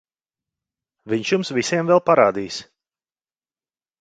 Viņš jums visiem vēl parādīs...